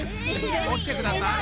おきてください。